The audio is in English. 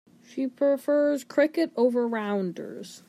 She prefers cricket over rounders.